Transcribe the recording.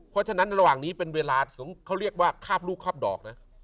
เพราะฉะนั้นระหว่างนี้เป็นเวลาเขาเรียกว่าคาบลูกคาบดอกนะ